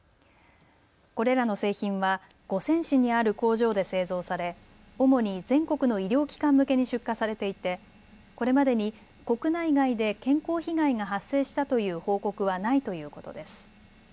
これらの製品は五泉市にある工場で製造され主に全国の医療機関向けに出荷されていてこれまでに国内外で健康被害が発生したという報告はないということです。